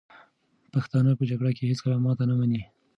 پښتانه په جګړه کې هېڅکله ماته نه مني.